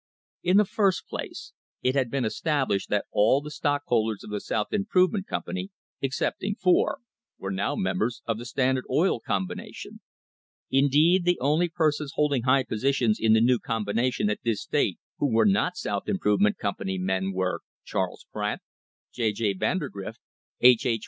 In the first place, it had been established that all the stockholders of the South Improvement Company, excepting four, were now members of the Standard Oil Combination. Indeed, the only persons holding high positions in the new combination at this date who were not South Improvement Company men were, Charles Pratt, J. J. Vandergrift, H. H.